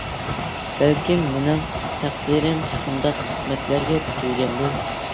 بەلكىم مېنىڭ تەقدىرىم شۇنداق قىسمەتلەرگە پۈتۈلگەندۇ.